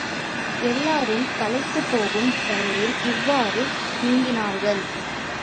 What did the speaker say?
எல்லாரும் களைத்துப்போகும் வரையில் இவ்வாறு நீந்தினார்கள்.